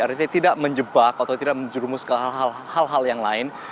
artinya tidak menjebak atau tidak menjurumus ke hal hal yang lain